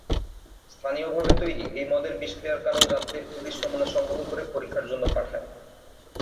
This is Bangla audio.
স্থানীয়ভাবে তৈরি এই মদের বিষক্রিয়ার কারণ জানতে পুলিশ নমুনা সংগ্রহ করে পরীক্ষার জন্য পাঠায়।